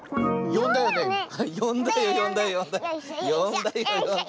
よんだよよんだよよんだよ。